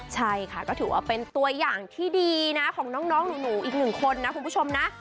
ใช่ค่ะก็ถือว่าเป็นตัวอย่างที่ดีนะของน้องหนูอีกหนึ่งคนนะคุณผู้ชมนะ